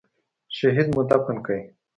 شهيد مو دفن کړ.